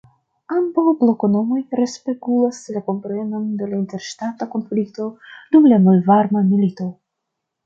Ambaŭ "bloko"-nomoj respegulas la komprenon de la interŝtata konflikto dum la Malvarma Milito.